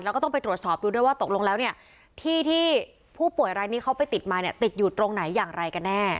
แล้วก็ต้องไปตรวจสอบดูด้วยว่าตกลงแล้วเนี่ยที่ที่ผู้ป่วยรายนี้เขาไปติดมาเนี่ยติดอยู่ตรงไหนอย่างไรกันแน่